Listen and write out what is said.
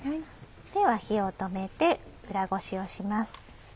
では火を止めて裏ごしをします。